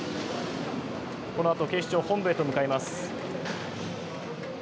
このあと警視庁本部へと向かいます。